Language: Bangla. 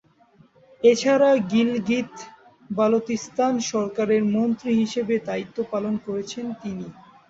এছাড়া, গিলগিত-বালতিস্তান সরকারের মন্ত্রী হিসেবেও দায়িত্ব পালন করেছেন তিনি।